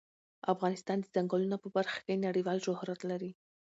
افغانستان د ځنګلونه په برخه کې نړیوال شهرت لري.